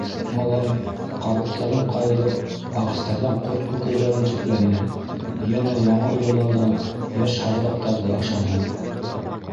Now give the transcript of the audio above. Малай, ҡабыҡтарын ҡайырып, ағастарҙан ҡорт күкәйҙәрен сүпләне, йәнә яңы ояларҙан йәш һағыҙаҡтарҙы ашаны.